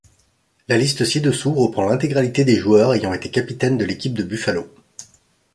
La liste ci-dessous reprend l'intégralité des joueurs ayant été capitaine de l'équipe de Buffalo.